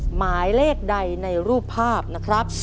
หมายเลขใดในรูปภาพนะครับ